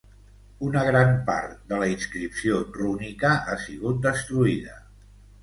Una gran part de la inscripció rúnica ha sigut destruïda.